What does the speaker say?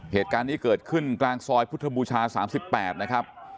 เหตุการณ์นี้เกิดขึ้นกลางซอยพุทธบูชา๓๘นะครับ